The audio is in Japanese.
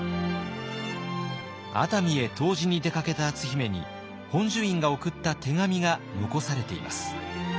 熱海へ湯治に出かけた篤姫に本寿院が送った手紙が残されています。